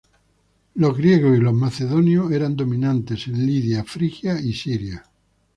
Los griegos y los macedonios eran dominantes en Lidia, Frigia y Siria.